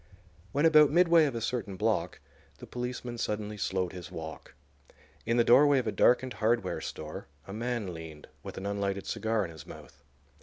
When about midway of a certain block the policeman suddenly slowed his walk. In the doorway of a darkened hardware store a man leaned, with an unlighted cigar in his mouth.